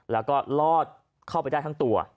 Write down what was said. แล้วก็ลอดเข้าไปได้ทั้งตัว